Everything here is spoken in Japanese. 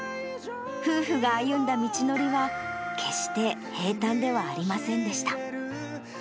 夫婦が歩んだ道のりは、決して平たんではありませんでした。